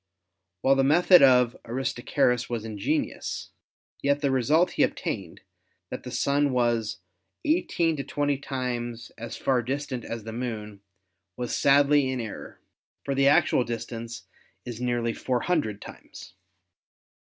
While the method of Aristarchus was ingenious, yet the result he obtained, that the Sun was 18 to 20 times as far distant as the Moon, was sadly in error, for the actual distance is nearly four hundred times.